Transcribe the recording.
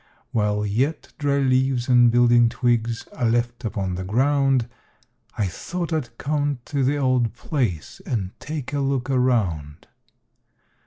While yet dry leaves and building twigs are left upon the ground "I thought I'd come to the old place and take a look around."